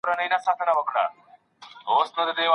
که زوجين يا يو له زوجينو په داسي ناروغي اخته وو.